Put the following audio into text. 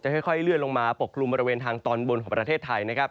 ค่อยเลื่อนลงมาปกกลุ่มบริเวณทางตอนบนของประเทศไทยนะครับ